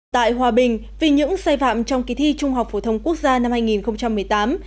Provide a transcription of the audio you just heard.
tại hòa bình vì những sai phạm trong kỳ thi trung học phổ thông quốc gia năm hai nghìn một mươi tám